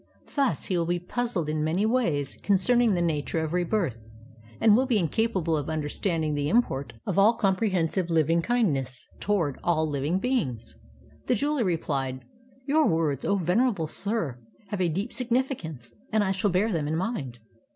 Thus he will be puzzled in many ways concerning the nature of rebirth, and will be incapable of understanding the import of an all comprehensive loving kindness toward all living beings." The jeweler replied: ''Your words, O venerable sir, have a deep significance, and I shall bear them in mind.